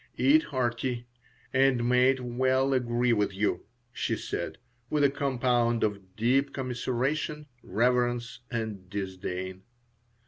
Eat hearty, and may it well agree with you," she said, with a compound of deep commiseration, reverence, and disdain.